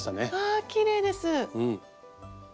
あきれいです！